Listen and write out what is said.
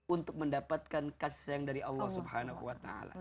untuk mendapatkan kasih sayang dari allah swt